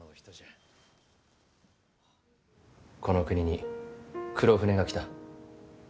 この国に黒船が来た。